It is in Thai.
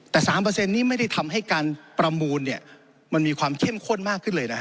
แต่๓นี้ไม่ได้ทำให้การประมูลมันมีความเข้มข้นมากขึ้นเลยนะฮะ